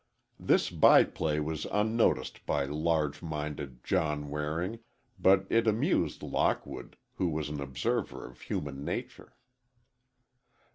This byplay was unnoticed by large minded John Waring, but it amused Lockwood, who was an observer of human nature.